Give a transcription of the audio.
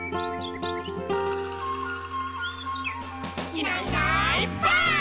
「いないいないばあっ！」